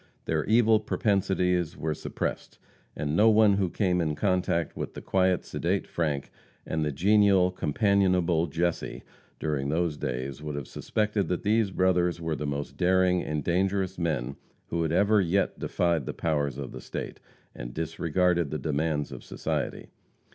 Their evil propensities were suppressed, and no one who came in contact with the quiet, sedate Frank, and the genial, companionable Jesse, during those days, would have suspected that these brothers were the most daring and dangerous men who had ever yet defied the powers of the State, and disregarded the demands of society.